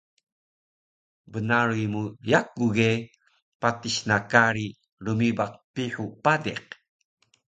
Bnaruy mu yaku ge patis na kari rmibaq Pihu Padiq